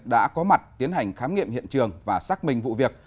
đã có mặt tiến hành khám nghiệm hiện trường và xác minh vụ việc